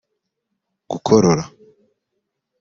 gukorora